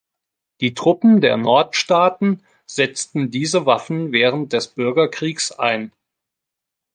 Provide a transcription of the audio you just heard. Die Truppen der Nordstaaten setzten diese Waffen während des Bürgerkriegs ein.